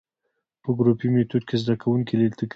په ګروپي ميتود کي زده کوونکي له تکراري،